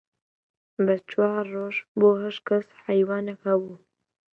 بە چوار ڕۆژ بۆ هەشت کەس حەیوانێک هەبوو